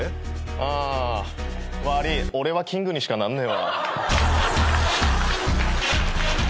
あー悪い俺はキングにしかなんねえわ。